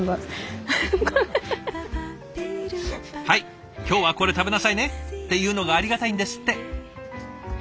はい今日はこれ食べなさいねっていうのがありがたいんですって。